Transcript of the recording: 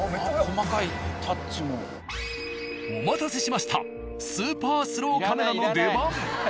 お待たせしましたスーパースローカメラの出番。